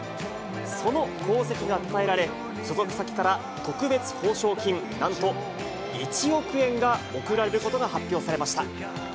その功績がたたえられ、所属先から特別報奨金、なんと１億円が贈られることが発表されました。